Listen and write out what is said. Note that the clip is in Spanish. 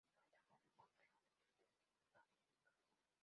Cuenta con un complejo deportivo y un camping.